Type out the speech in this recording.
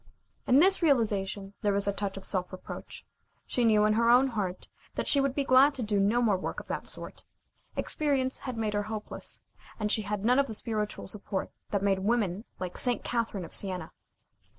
In this realization there was a touch of self reproach. She knew, in her own heart, that she would be glad to do no more work of that sort. Experience had made her hopeless, and she had none of the spiritual support that made women like St. Catherine of Sienna.